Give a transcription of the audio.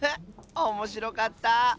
おもしろかった！